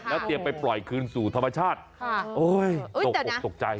แล้วเตรียมไปปล่อยคืนสู่ธรรมชาติโอ้ยตกออกตกใจ